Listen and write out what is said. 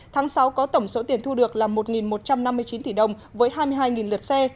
tháng sáu có tổng số tiền thu được là một một trăm năm mươi chín tỷ đồng với hai mươi hai lượt xe